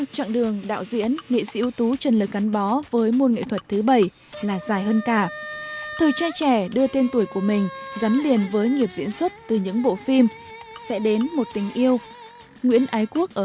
chào cháu bác chúc mừng năm mới